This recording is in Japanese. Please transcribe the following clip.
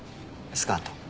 スカート。